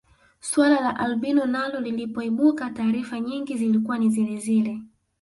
Swala la albino nalo lilipoibuka taarifa nyingi zilikuwa ni zilezile